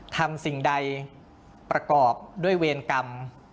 สิ่งใดประกอบด้วยเวรกรรม